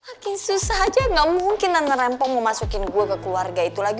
makin susah aja gak mungkin anak rempo mau masukin gue ke keluarga itu lagi